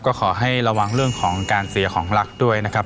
ก็ขอให้ระวังเรื่องของการเสียของรักด้วยนะครับ